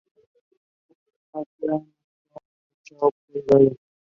Asia: Mekong y Chao Phraya.